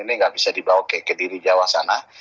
ini nggak bisa dibawa ke kediri jawa sana